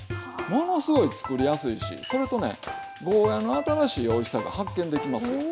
ものすごい作りやすいしそれとねゴーヤーの新しいおいしさが発見できます。